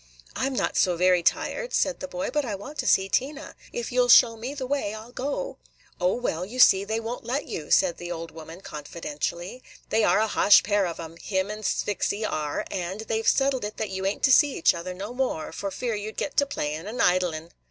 "I 'm not so very tired," said the boy; "but I want to see Tina. If you 'll show me the way, I 'll go." "O, well, you see, they won't let you," said the old woman confidentially. "They are a ha'sh pair of 'em, him and Sphyxy are; and they 've settled it that you ain't to see each other no more, for fear you 'd get to playin' and idlin'."